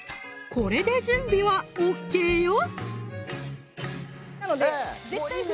これで準備はＯＫよ